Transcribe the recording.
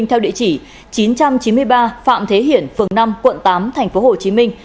theo địa chỉ chín trăm chín mươi ba phạm thế hiển phường năm quận tám tp hcm